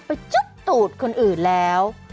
จุ๊บตูดคนอื่นแล้ว